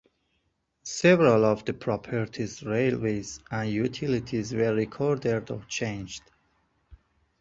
Several of the properties, railways, and utilities were reordered or changed.